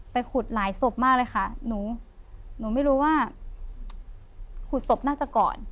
ขุดหลายศพมากเลยค่ะหนูหนูไม่รู้ว่าขุดศพน่าจะก่อน